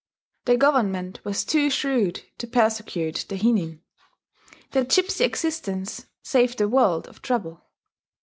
The Government was too shrewd to persecute the hinin. Their gipsy existence saved a world of trouble.